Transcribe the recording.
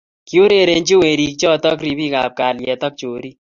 Kiurerenji werik chotok ribik ab kalyet ak chorik